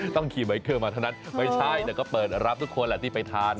ต้องขี่ไวเคิลมาเท่านั้นไม่ใช่แต่ก็เปิดรับทุกคนแหละที่ไปทาน